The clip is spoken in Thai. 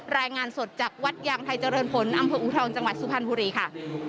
รายงานสดจากวัดยางไทยเจริญผลอำเภออูทองจังหวัดสุพรรณบุรีค่ะ